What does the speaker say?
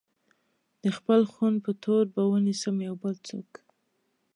د خپل خون په تور به ونيسم يو بل څوک